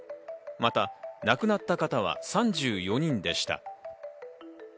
また亡くなった方は３４人でした。